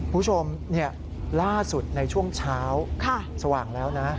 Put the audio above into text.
คุณผู้ชมล่าสุดในช่วงเช้าสว่างแล้วนะ